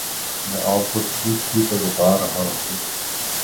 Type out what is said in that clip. میں آپ کو ٹھیک ہی تو بتارہا ہوں